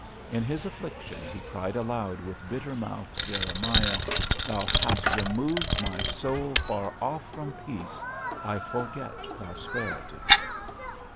In his affliction he cried aloud with bitter mouthed Jeremiah, 'Thou hast removed my soul far off from peace; I forget prosperity.'